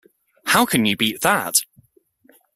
How can you beat that?